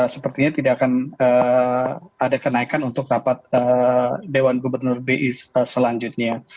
sepertinya tidak akan ada kenaikan untuk rapat dewan gubernur bi selanjutnya